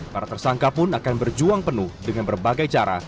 para tersangka pun akan berjuang penuh dengan berbagai cara